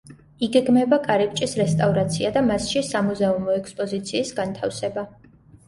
იგეგმება კარიბჭის რესტავრაცია და მასში სამუზეუმო ექსპოზიციის განთავსება.